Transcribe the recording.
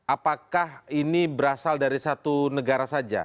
apakah ini berasal dari satu negara saja